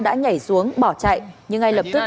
đã nhảy xuống bỏ chạy nhưng ngay lập tức